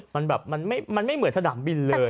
มันแบบมันไม่เหมือนสนามบินเลย